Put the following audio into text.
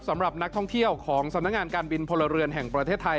สำหรับนักท่องเที่ยวของสำนักงานการบินพลเรือนแห่งประเทศไทย